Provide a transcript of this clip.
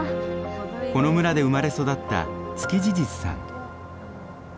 この村で生まれ育ったツキジジスさん。